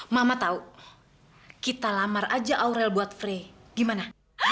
mama tau kita lamar aja aurel buat fre gimana